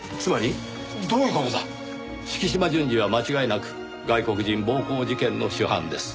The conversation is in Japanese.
敷島純次は間違いなく外国人暴行事件の主犯です。